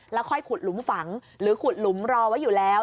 แล้วค่อยขุดหลุมฝังหรือขุดหลุมรอไว้อยู่แล้ว